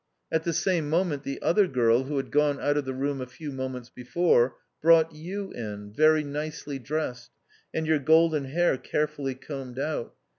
At the same moment the other girl who had gone out of the room a few moments before, brought you in, very nicely dressed, and your golden hair carefully combed out.